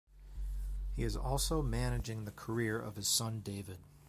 He is also managing the career of his son David.